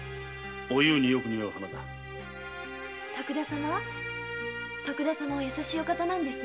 徳田様徳田様は優しいお方なんですね。